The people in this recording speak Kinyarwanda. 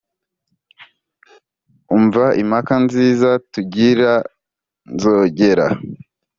umva impaka nziza tugira nzogera